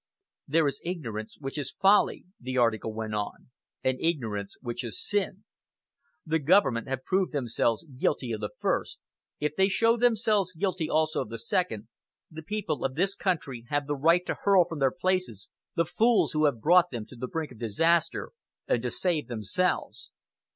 "There is ignorance which is folly," the article went on, "and ignorance which is sin. The Government have proved themselves guilty of the first; if they show themselves guilty also of the second, the people of this country have the right to hurl from their places the fools who have brought them to the brink of disaster, and to save themselves.